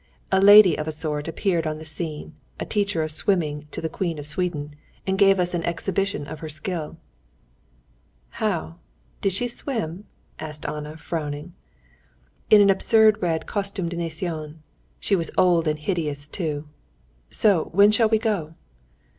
A lady of a sort appeared on the scene, teacher of swimming to the Queen of Sweden, and gave us an exhibition of her skill." "How? did she swim?" asked Anna, frowning. "In an absurd red costume de natation; she was old and hideous too. So when shall we go?"